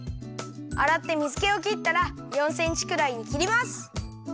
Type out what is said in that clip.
あらって水けをきったら４センチくらいにきります。